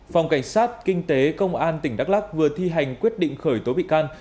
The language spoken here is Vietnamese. phòng cảnh sát kinh tế công an tỉnh đắk lắc vừa thi hành quyết định khởi tố bị can